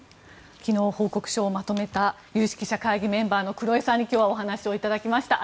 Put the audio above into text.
昨日報告書をまとめた有識者会議メンバーの黒江さんに今日はお話をいただきました。